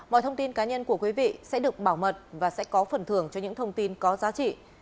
mọi thông tin cá nhân của quý vị sẽ được bảo mật và sẽ có phần thưởng cho những thông tin có giá trị